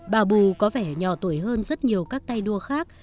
babu có vẻ nhỏ tuổi hơn rất nhiều các tay đua khác